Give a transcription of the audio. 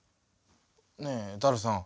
ねえダルさん。